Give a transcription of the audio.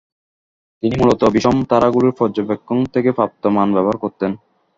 তিনি মূলত বিষম তারাগুলোর পর্যবেকক্ষণ থেকে প্রাপ্ত মান ব্যবহার করতেন।